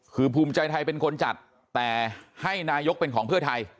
คือภูมิใจไทยเป็นคนจัดแต่ให้นายกเป็นของเพื่อไทย